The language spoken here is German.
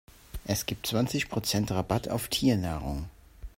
Es gibt zwanzig Prozent Rabatt auf Tiernahrung.